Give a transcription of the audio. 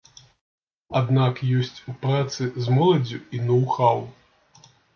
Аднак ёсць у працы з моладдзю і ноў-хаў.